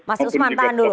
masa usman tahun dulu